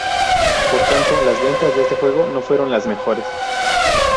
Por tanto, las ventas de este juego no fueron las mejores.